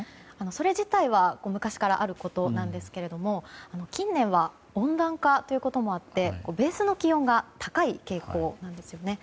それ自体は昔からあることなんですが近年は温暖化ということもあってベースの気温が高い傾向なんですね。